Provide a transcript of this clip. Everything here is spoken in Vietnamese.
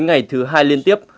ngày thứ hai liên tiếp